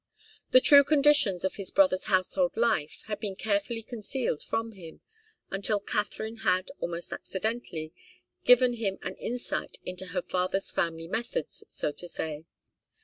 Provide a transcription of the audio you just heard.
The true conditions of his brother's household life had been carefully concealed from him, until Katharine had, almost accidentally, given him an insight into her father's family methods, so to say.